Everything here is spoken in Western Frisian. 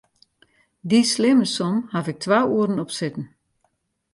Dy slimme som haw ik twa oeren op sitten.